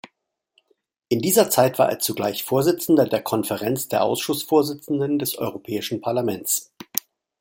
In dieser Zeit war er zugleich Vorsitzender der Konferenz der Ausschussvorsitzenden des Europäischen Parlaments.